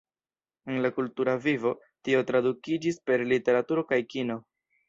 En la kultura vivo, tio tradukiĝis per literaturo kaj kino.